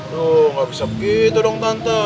tuh nggak bisa begitu dong tante